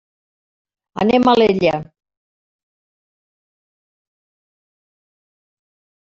Anem a Alella.